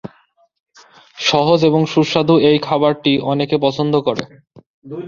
সহজ এবং সুস্বাদু এই খাবারটি অনেকে পছন্দ করে।